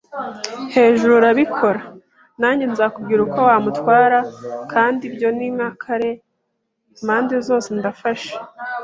hejuru, urabikora, nanjye nzakubwira uko wamutwara, kandi ibyo ni nka kare impande zose, ndafashe